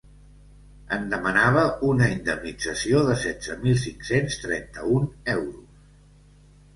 En demanava una indemnització de setze mil cinc-cents trenta-un euros.